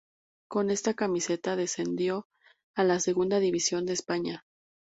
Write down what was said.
Con esta camiseta descendió a la segunda división de España.